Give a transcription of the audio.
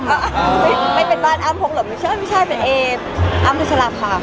ไม่เป็นบ้านอ้ำพกหลบไม่ใช่เป็นอ้ำทุกษาลาภาพค่ะ